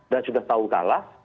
dan sudah tahu kalah